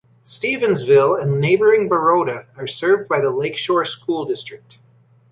Stevensville and neighboring Baroda are served by the Lakeshore School District.